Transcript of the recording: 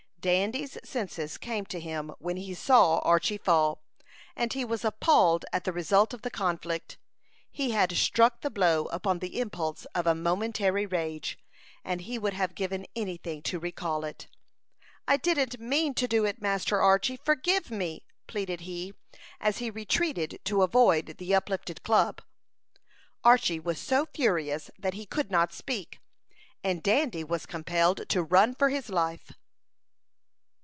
Dandy's senses came to him when he saw Archy fall, and he was appalled at the result of the conflict. He had struck the blow upon the impulse of a momentary rage, and he would have given any thing to recall it. "I didn't mean to do it, Master Archy! Forgive me!" pleaded he, as he retreated to avoid the uplifted club. Archy was so furious that he could not speak, and Dandy was compelled to run for his life.